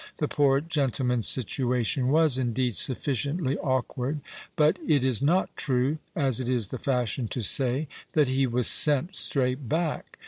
The poor gentleman's situation was, indeed, sutticiently awk ward. But it is not true, as it is the fashion to say, 244 PAGELLO that he was " sent straight back."